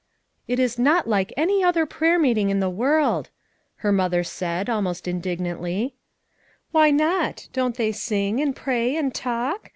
"It is not like any prayer meeting in the world," her mother said almost indignantly. "Why not! Don't they sing, and pray and talk?